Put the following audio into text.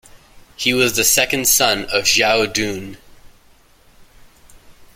He was the second son of Xiahou Dun.